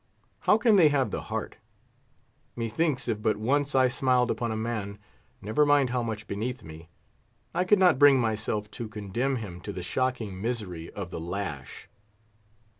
How can they have the heart? Methinks, if but once I smiled upon a man—never mind how much beneath me—I could not bring myself to condemn him to the shocking misery of the lash.